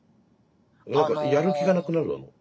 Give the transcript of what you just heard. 何かやる気がなくなるの？